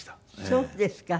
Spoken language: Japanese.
そうですか。